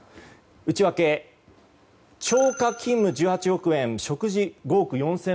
内訳、超過勤務１８億円食事５億４０００万円